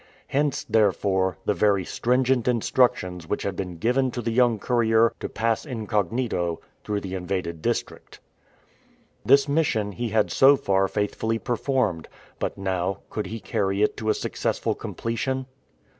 Hence, therefore, the very stringent instructions which had been given to the young courier to pass incognito through the invaded district. This mission he had so far faithfully performed, but now could he carry it to a successful completion?